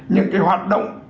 những cái hoạt động